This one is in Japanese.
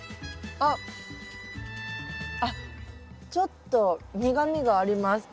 あっちょっと苦みがあります。